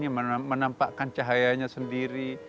yang menampakkan cahayanya sendiri